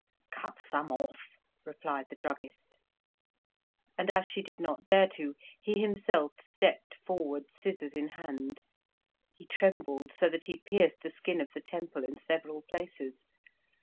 "Cut some off," replied the druggist. And as she did not dare to, he himself stepped forward, scissors in hand. He trembled so that he pierced the skin of the temple in several places.